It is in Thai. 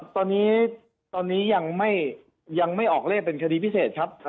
ตอนนี้ยังไม่ออกเลขเป็นคดีพิเศษครับ